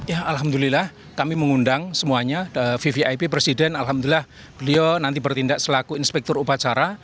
ya alhamdulillah kami mengundang semuanya vvip presiden alhamdulillah beliau nanti bertindak selaku inspektur upacara